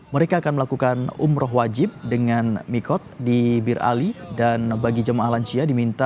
dua ribu dua puluh empat mereka akan melakukan umroh wajib dengan mikot di birali dan bagi jemaah lancia diminta